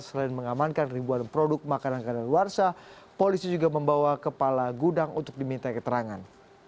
selain mengamankan ribuan produk makanan kadaluarsa polisi juga membawa kepala gudang untuk diminta keterangan